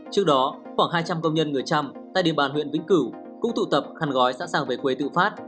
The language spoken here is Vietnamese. trước đó khoảng hai trăm linh công nhân người trăm tại địa bàn huyện vĩnh cửu cũng tụ tập khăn gói sẵn sàng về quê tự phát